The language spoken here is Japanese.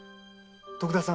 徳田さん。